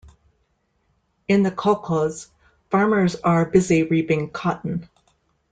In the kolkhoz, farmers are busy reaping cotton.